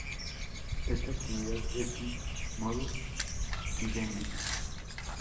Esta actividad es su modus vivendi.